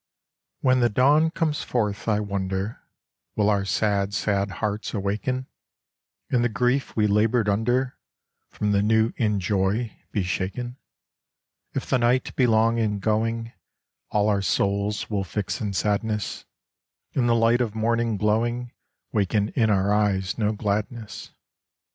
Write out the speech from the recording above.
WHEN the dawn comes forth I wonder Will our sad, sad hearts awaken, And the grief we laboured under From the new in joy be shaken ? If the night be long in going, All our souls will fix in sadness ; And the light of morning glowing Waken in our eyes no gladness.